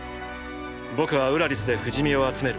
僕はウラリスで“不死身”を集める。